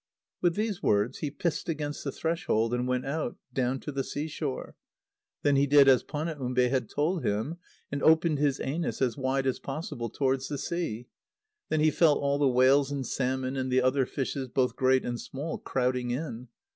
With these words, he pissed against the threshold, and went out, down to the sea shore. Then he did as Panaumbe had told him, and opened his anus as wide as possible towards the sea. Then he felt all the whales and salmon and the other fishes, both great and small, crowding in.